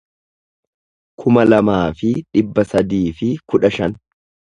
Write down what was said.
kuma lamaa fi dhibba sadii fi kudha shan